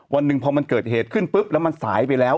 วันหนึ่งพอมันเกิดเหตุขึ้นปุ๊บแล้วมันสายไปแล้ว